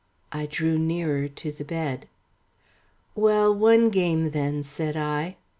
I drew nearer to the bed. "Well, one game then," said I.